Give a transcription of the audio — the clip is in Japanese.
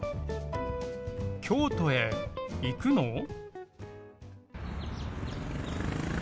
京都へ行くの？